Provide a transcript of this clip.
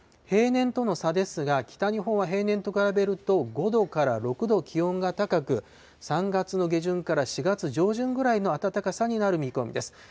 平年との差ですが、北日本は平年と比べると、５度から６度気温が高く、３月の下旬から４月上旬ぐらいの暖かさになる見込みです。